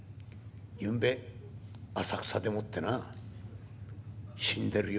ゆんべ、浅草でもってな、死んでるよ。